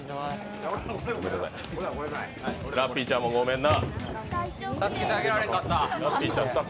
ラッピーちゃんもごめんな。